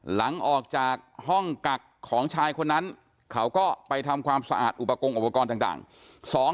หลังจากออกจากห้องกักของชายคนนั้นเขาก็ไปทำความสะอาดอุปกรณ์อุปกรณ์ต่าง